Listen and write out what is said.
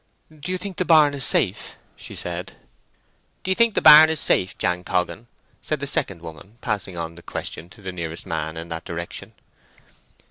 "Do you think the barn is safe?" she said. "D'ye think the barn is safe, Jan Coggan?" said the second woman, passing on the question to the nearest man in that direction.